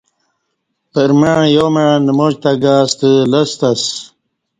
پرمع یامع نماچ تہ گاستہ لستہ اسہ